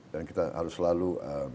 dan kita harus selalu